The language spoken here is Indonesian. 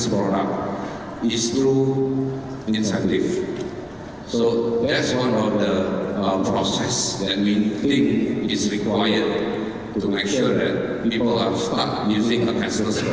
masuk di indonesia